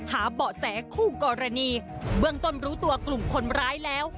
เบาะแสคู่กรณีเบื้องต้นรู้ตัวกลุ่มคนร้ายแล้ว